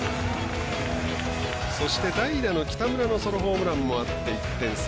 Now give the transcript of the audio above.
そして、代打の北村のソロホームランもあって１点差。